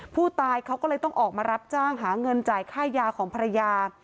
ผู้ตายเขาก็เลยต้องออกมารับจ้างหาเงินจ่ายค่ายาของภรรยา